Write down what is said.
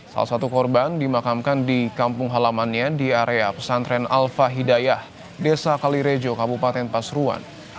salah satu korban dimakamkan di kampung halamannya di area pesantren al fahidayah desa kalirejo kabupaten pasuruan